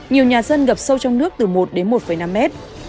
nhiều nhà dân ngập sâu trong nước từ một đến một năm mét